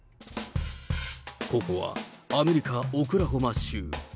ここはアメリカ・オクラホマ州。